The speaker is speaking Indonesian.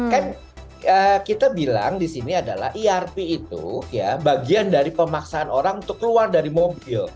kan kita bilang di sini adalah irp itu ya bagian dari pemaksaan orang untuk keluar dari mobil